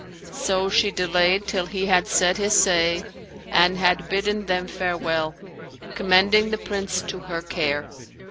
So she delayed till he had said his say and had bidden them farewell, commending the Prince to her care.